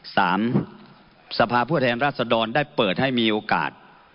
สามสภาพุทธแห่งราชดรได้เปิดให้มีโอกาส